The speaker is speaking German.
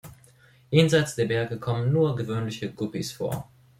Jenseits der Berge kommen nur noch Gewöhnliche Guppys vor.